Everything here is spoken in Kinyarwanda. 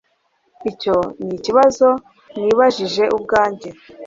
Icyo nikibazo nibajije ubwanjye